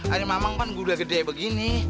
ada mamang kan guda gede begini